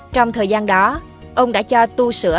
trong thời gian đó ông đã cho tu sửa